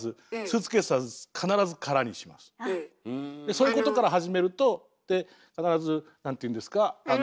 そういうことから始めるとで必ず何ていうんですかあの。